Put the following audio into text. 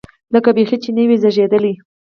لکه بيخي نه چې وي زېږېدلی.